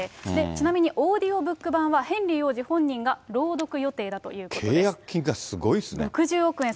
ちなみにオーディオブック版はヘンリー王子本人が朗読予定だとい契約金がすごいですね。